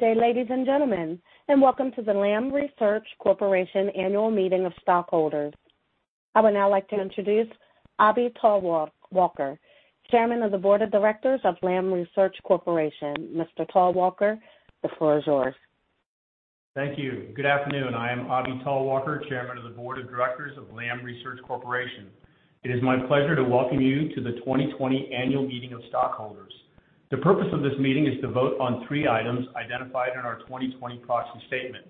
Good day, ladies and gentlemen, and welcome to the Lam Research Corporation Annual Meeting of Stockholders. I would now like to introduce Abhi Talwalkar, Chairman of the Board of Directors of Lam Research Corporation. Mr. Talwalkar, the floor is yours. Thank you. Good afternoon. I am Abhi Talwalkar, Chairman of the Board of Directors of Lam Research Corporation. It is my pleasure to welcome you to the 2020 Annual Meeting of Stockholders. The purpose of this meeting is to vote on three items identified in our 2020 proxy statement.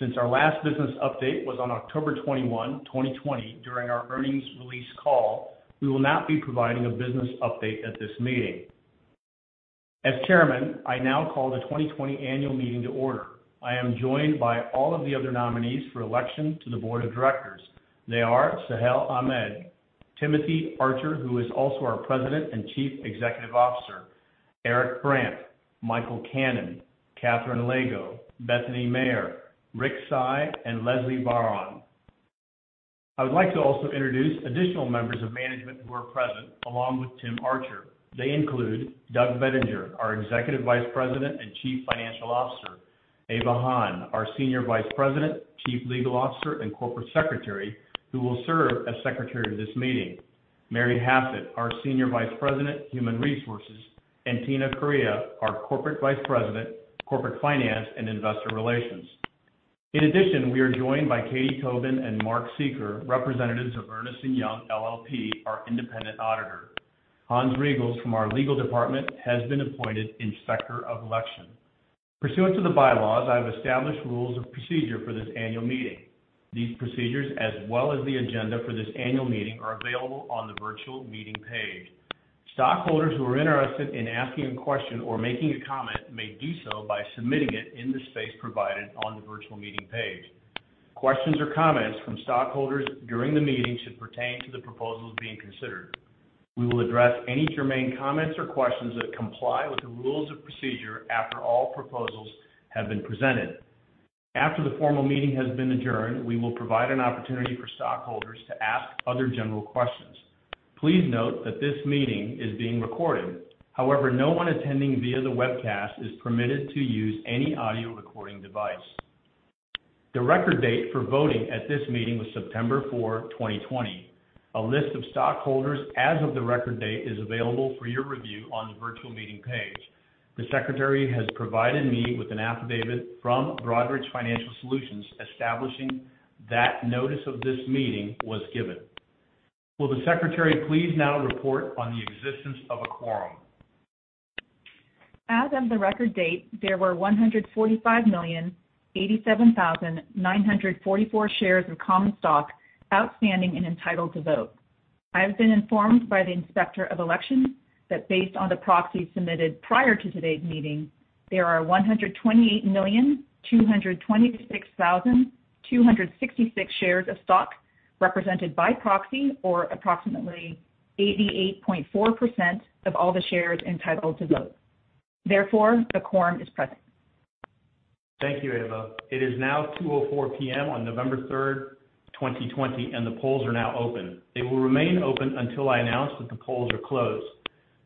Since our last business update was on October 21, 2020, during our earnings release call, we will not be providing a business update at this meeting. As chairman, I now call the 2020 annual meeting to order. I am joined by all of the other nominees for election to the board of directors. They are Sohail Ahmed, Timothy Archer, who is also our President and Chief Executive Officer, Eric Brandt, Michael Cannon, Catherine Lego, Bethany Mayer, Rick Tsai, and Leslie Varon. I would like to also introduce additional members of management who are present along with Tim Archer. They include Doug Bettinger, our Executive Vice President and Chief Financial Officer, Ava Hahn, our Senior Vice President, Chief Legal Officer, and Corporate Secretary, who will serve as Secretary of this meeting, Mary Hassett, our Senior Vice President, Human Resources, and Tina Correia, our Corporate Vice President, Corporate Finance and Investor Relations. In addition, we are joined by Katie Coben and Mark Seeker, representatives of Ernst & Young LLP, our independent auditor. Hans Regals from our legal department has been appointed Inspector of Election. Pursuant to the bylaws, I have established rules of procedure for this annual meeting. These procedures, as well as the agenda for this annual meeting, are available on the virtual meeting page. Stockholders who are interested in asking a question or making a comment may do so by submitting it in the space provided on the virtual meeting page. Questions or comments from stockholders during the meeting should pertain to the proposals being considered. We will address any germane comments or questions that comply with the rules of procedure after all proposals have been presented. After the formal meeting has been adjourned, we will provide an opportunity for stockholders to ask other general questions. Please note that this meeting is being recorded. However, no one attending via the webcast is permitted to use any audio recording device. The record date for voting at this meeting was September 4, 2020. A list of stockholders as of the record date is available for your review on the virtual meeting page. The secretary has provided me with an affidavit from Broadridge Financial Solutions establishing that notice of this meeting was given. Will the secretary please now report on the existence of a quorum? As of the record date, there were 145,087,944 shares of common stock outstanding and entitled to vote. I have been informed by the Inspector of Elections that based on the proxies submitted prior to today's meeting, there are 128,226,266 shares of stock represented by proxy, or approximately 88.4% of all the shares entitled to vote. Therefore, the quorum is present. Thank you, Ava. It is now 2:04 P.M. on November 3rd, 2020. The polls are now open. They will remain open until I announce that the polls are closed.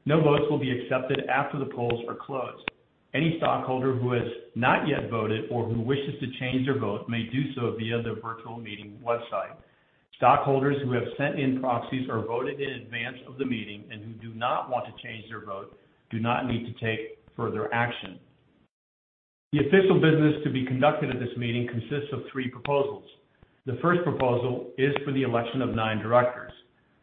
No votes will be accepted after the polls are closed. Any stockholder who has not yet voted or who wishes to change their vote may do so via the virtual meeting website. Stockholders who have sent in proxies or voted in advance of the meeting and who do not want to change their vote do not need to take further action. The official business to be conducted at this meeting consists of three proposals. The first proposal is for the election of nine directors.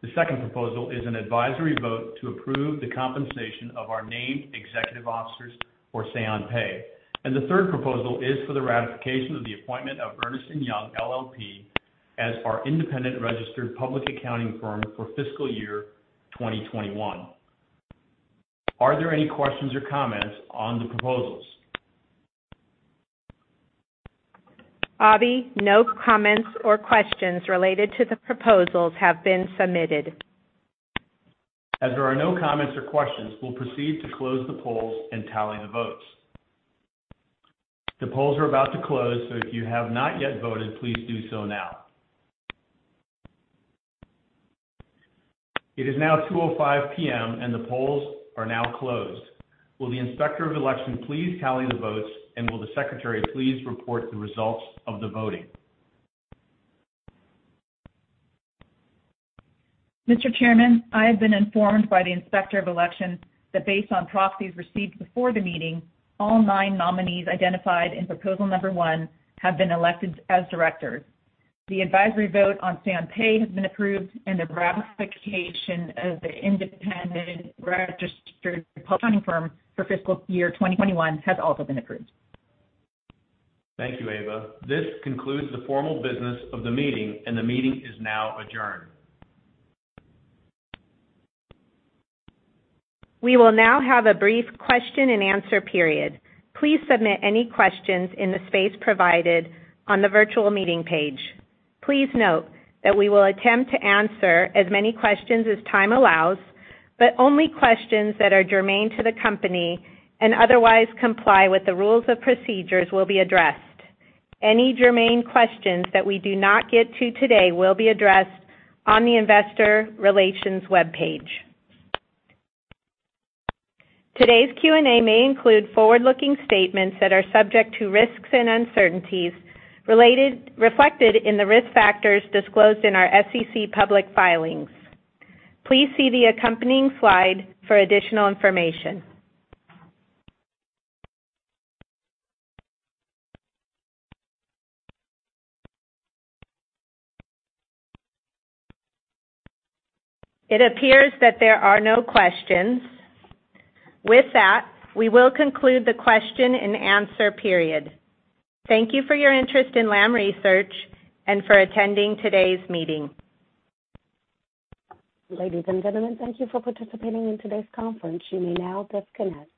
The second proposal is an advisory vote to approve the compensation of our named executive officers for say on pay. The third proposal is for the ratification of the appointment of Ernst & Young LLP as our independent registered public accounting firm for fiscal year 2021. Are there any questions or comments on the proposals? Abhi, no comments or questions related to the proposals have been submitted. As there are no comments or questions, we'll proceed to close the polls and tally the votes. The polls are about to close, so if you have not yet voted, please do so now. It is now 2:05 P.M., and the polls are now closed. Will the Inspector of Election please tally the votes, and will the Secretary please report the results of the voting? Mr. Chairman, I have been informed by the Inspector of Election that based on proxies received before the meeting, all nine nominees identified in proposal number 1 have been elected as directors. The advisory vote on say on pay has been approved, and the ratification of the independent registered public accounting firm for fiscal year 2021 has also been approved. Thank you, Ava. This concludes the formal business of the meeting, and the meeting is now adjourned. We will now have a brief question and answer period. Please submit any questions in the space provided on the virtual meeting page. Please note that we will attempt to answer as many questions as time allows, but only questions that are germane to the company and otherwise comply with the rules of procedures will be addressed. Any germane questions that we do not get to today will be addressed on the investor relations webpage. Today's Q&A may include forward-looking statements that are subject to risks and uncertainties reflected in the risk factors disclosed in our SEC public filings. Please see the accompanying slide for additional information. It appears that there are no questions. With that, we will conclude the question and answer period. Thank you for your interest in Lam Research and for attending today's meeting. Ladies and gentlemen, thank you for participating in today's conference. You may now disconnect.